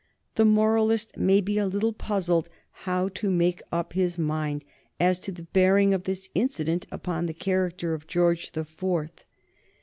The moralist may be a little puzzled how to make up his mind as to the bearing of this incident upon the character of George the Fourth.